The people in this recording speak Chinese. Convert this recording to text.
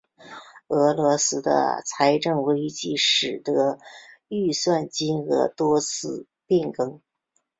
俄罗斯的财政危机使得预算金额多次变更。